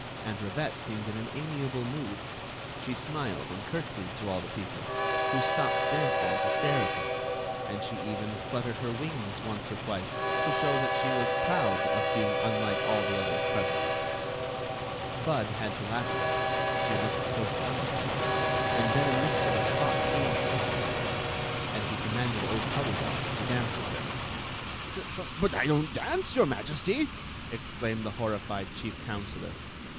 Aunt Rivette seemed in an .amiable mood. She smiled and curtsied to all the people, who stopped dancing to stare at her, and she even fluttered her IO+ Queen Zixt of Ix; or, the wings once or twice to show that she was proud of being unlike all the others present Bud had to laugh at her, she looked so funny ; and then a mischievous thought came to him, and he com manded old Tullydub to dance with her. " But I don't dance, your Majesty!" exclaimed the horrified chief counselor.